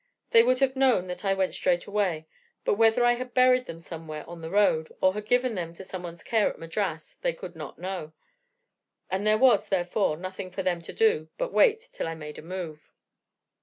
They would have known that I went straight away, but whether I had buried them somewhere on the road, or had given them to someone's care at Madras they could not know, and there was, therefore, nothing for them to do but to wait till I made a move.